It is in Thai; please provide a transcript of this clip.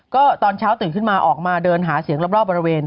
ก็ตอนเช้าตื่นขึ้นมาออกมาเดินหาเสียงรอบบริเวณ